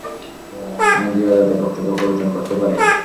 আইনজীবী আদালতে বক্তব্য পরিবর্তন করতে পারে।